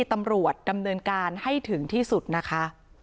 ตำรวจดำเนินการให้ถึงที่สุดนะคะ